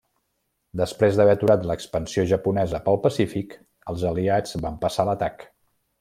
Després d'haver aturat l'expansió japonesa pel Pacífic, els aliats van passar a l'atac.